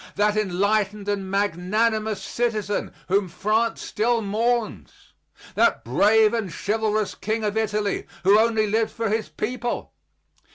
that enlightened and magnanimous citizen whom France still mourns? that brave and chivalrous king of Italy who only lived for his people?